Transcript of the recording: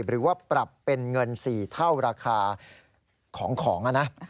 หรือว่าปรับเป็นเงิน๔เท่าราคาของนะ